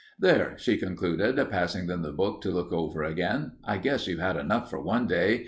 "There," she concluded, passing them the book to look over again, "I guess you've had enough for one day.